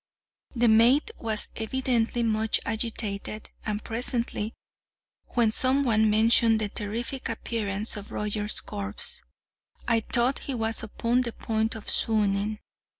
The mate was evidently much agitated, and presently, when some one mentioned the terrific appearance of Rogers' corpse, I thought he was upon the point of swooning.